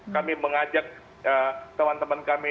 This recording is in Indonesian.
kami mengajak teman teman kami